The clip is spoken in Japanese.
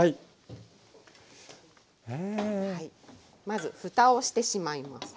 まずふたをしてしまいます。